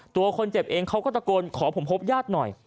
ตัวคนเจ็บเองเขาก็ตะโกนขอผมพบญาติหน่อย